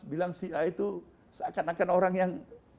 bilang si a itu seakan akan orang yang